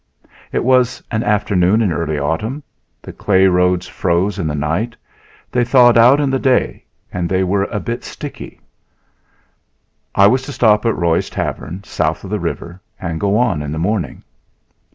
It was an afternoon in early autumn. The clay roads froze in the night; they thawed out in the day and they were a bit sticky. I was to stop at Roy's Tavern, south of the river, and go on in the morning.